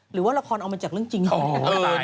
หรือว่าละครเอามาจากเรื่องจริงของอันตราย